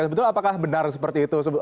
betul apakah benar seperti itu